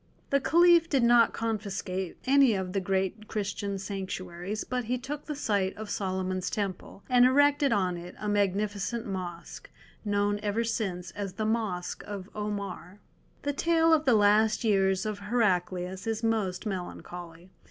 The Caliph did not confiscate any of the great Christian sanctuaries, but he took the site of Solomon's Temple, and erected on it a magnificent Mosque, known ever since as the Mosque of Omar. The tale of the last years of Heraclius is most melancholy.